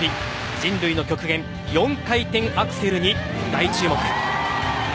人類の極限、４回転アクセルに大注目。